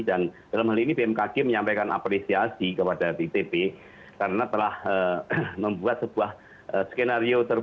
dan dalam hal ini bmkg menyampaikan apresiasi kepada itb karena telah membuat sebuah skenario